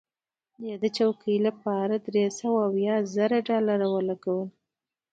دې چوکۍ لپاره درې سوه اویا زره ډالره ولګول.